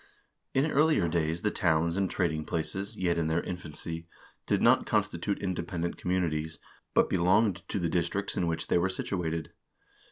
In earlier days the towns and trading places, yet in their infancy, did not constitute independent communities, but belonged to the districts in which they were situated.